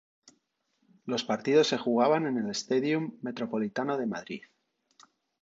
Los partidos se jugaba en el Stadium Metropolitano de Madrid.